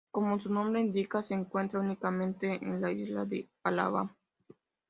Como su nombre indica se encuentra únicamente en la isla de Palawan.